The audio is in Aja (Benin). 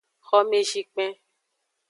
Xomezikpen.